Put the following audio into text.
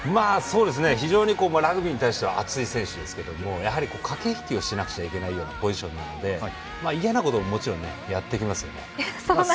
非常にラグビーに対しては熱い選手ですけどやはり駆け引きをしなくちゃいけないポジションなので嫌なことももちろんやってきますよね。